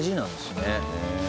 ねえ。